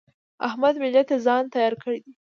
احمد مېلې ته ځان تيار کړی دی.